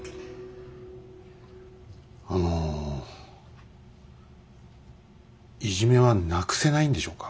あのいじめはなくせないんでしょうか。